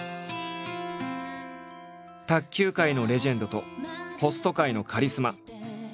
卓球界のレジェンドとホスト界のカリスマ。